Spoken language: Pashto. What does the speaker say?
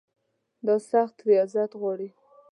دا سخت ریاضت غواړي.